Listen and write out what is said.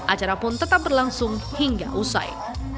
acara pun tetap berlangsung hingga usai